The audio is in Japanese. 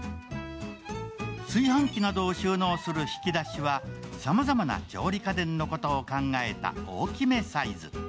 炊飯器などを収納する引き出しは、さまざまな調理家電のことを考えた大きめサイズ。